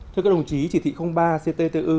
thưa các đồng chí chỉ thị ba cttu